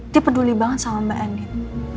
dia peduli banget sama mbak andi